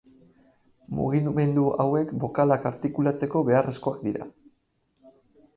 Mugimendu hauek bokalak artikulatzeko beharrezkoak dira.